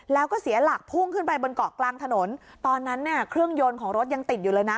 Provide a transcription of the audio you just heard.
แล้วก็เสียหลักพุ่งขึ้นไปบนเกาะกลางถนนตอนนั้นเนี่ยเครื่องยนต์ของรถยังติดอยู่เลยนะ